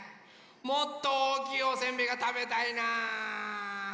もっとおおきいおせんべいがたべたいな。